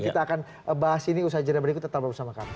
kita akan bahas ini usaha jadwal berikut tetap bersama kami